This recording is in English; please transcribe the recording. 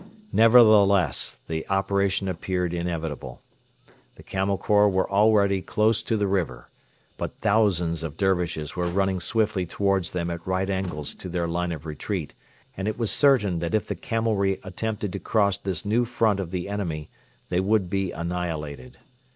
Nevertheless, the operation appeared inevitable. The Camel Corps were already close to the river. But thousands of Dervishes were running swiftly towards them at right angles to their line of retreat, and it was certain that if the camelry attempted to cross this new front of the enemy they would be annihilated.